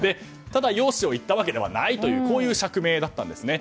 ただ容姿を言ったわけではないという釈明だったんですね。